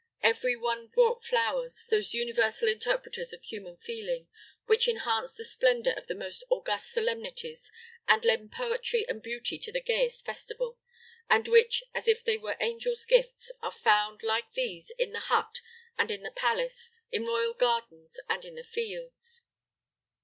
Every one brought flowers, those universal interpreters of human feeling, which enhance the splendor of the most august solemnities and lend poetry and beauty to the gayest festival; and which, as if they were angels' gifts, are found, like these, in the hut and in the palace, in royal gardens and in the fields.